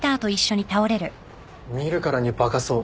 見るからにバカそう。